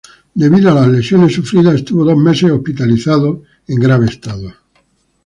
Debido a las lesiones sufridas, estuvo dos meses hospitalizado, en grave estado.